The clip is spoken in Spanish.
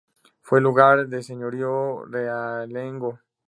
Fue lugar de señorío realengo.